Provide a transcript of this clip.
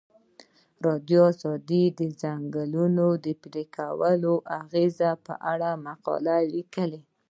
ازادي راډیو د د ځنګلونو پرېکول د اغیزو په اړه مقالو لیکلي.